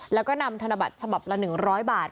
แล้วก็นำธนบัตรฉบับละ๑๐๐บาท